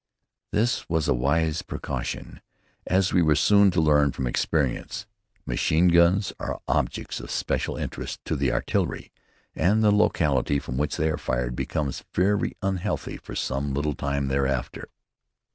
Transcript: This was a wise precaution, as we were soon to learn from experience. Machine guns are objects of special interest to the artillery, and the locality from which they are fired becomes very unhealthy for some little time thereafter.